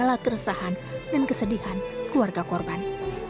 menghapus segala keresahan dan kesedihan keluarga korban